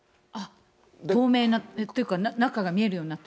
透明なっていうか、中が見えるようになってる？